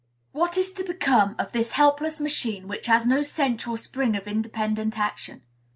What is to become of this helpless machine, which has no central spring of independent action?